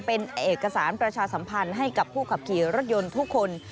เป็นเอกสารประชาสัมพันธ์ให้กับผู้ขับขี่รถยนต์ทุกคน